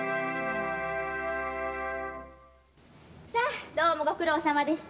さあ、どうもご苦労様でした。